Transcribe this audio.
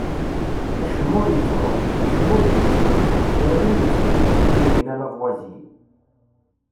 "Acemma ur yettruḥ, acemma ur d-yettnulfu, kra din yettbeddil", i yenna Lavoisier.